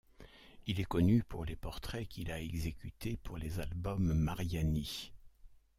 Il est connu pour les portraits qu'il a exécutés pour les albums Mariani.